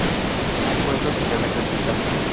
Un pueblo sin nada que ocultar.